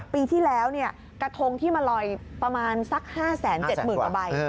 ปีที่แล้วกระทงที่มาลอยประมาณสัก๕๗๐๐กว่าใบ